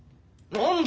何だ？